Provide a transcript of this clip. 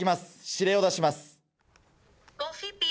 指令を出します。